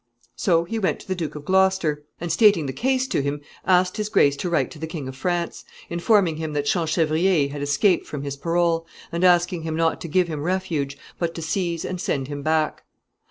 ] So he went to the Duke of Gloucester, and, stating the case to him, asked his grace to write to the King of France, informing him that Champchevrier had escaped from his parole, and asking him not to give him refuge, but to seize and send him back.